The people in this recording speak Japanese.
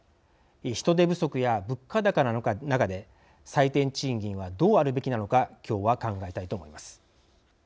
人手不足や物価高の中で最低賃金はどうあるべきなのか今日は考えたいと思います。